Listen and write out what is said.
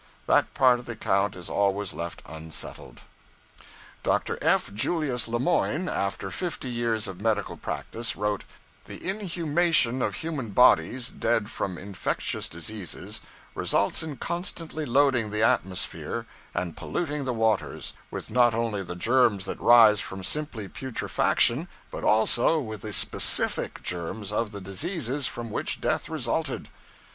That part of the account is always left unsettled. 'Dr. F. Julius Le Moyne, after fifty years of medical practice, wrote: "The inhumation of human bodies, dead from infectious diseases, results in constantly loading the atmosphere, and polluting the waters, with not only the germs that rise from simply putrefaction, but also with the specific germs of the diseases from which death resulted."